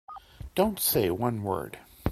Don't say one word.